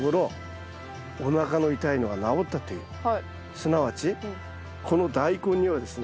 すなわちこのダイコンにはですね